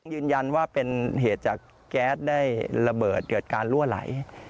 ยืนยันว่าเป็นเหตุจากแก๊สได้ระเบิดเกิดการลั่วไหล